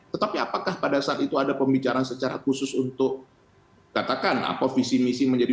tetapi apakah pada saat itu ada pembicaraan secara khusus untuk katakan apa visi misi menjadi